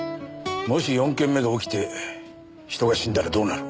もし４件目が起きて人が死んだらどうなる？